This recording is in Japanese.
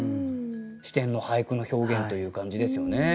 視点の俳句の表現という感じですよね。